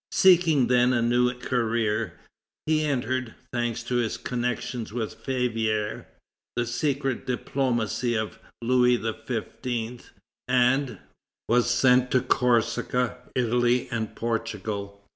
Seeking then a new career, he entered, thanks to his connection with Favier, the secret diplomacy of Louis XV., and was sent to Corsica, Italy, and Portugal.